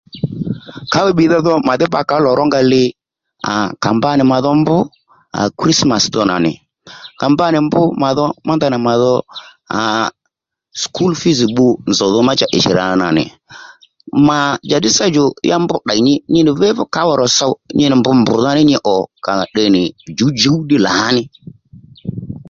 Kǎwà bbiydha dho màdhí bba ó lò ró nga li aa ka mba nì màdho mbr Krismas dho nà nì ka mba nì mbr màdho ma ndanà mà dho àa skul fiz bbu nzòw dho ma cha ì shì rǎ nà nì mà njàddí sâ djò ya mbr ddèy nyi nyi nì vé fú kǎwà rò sow nyi nì mbr mbr̀dha ní nyi ò kà tde nì djǔwdjǔw ddí lǎnì